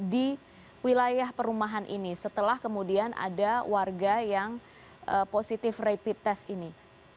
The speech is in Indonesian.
di wilayah perumahan ini setelah kemudian ada warga yang positif rapid test ini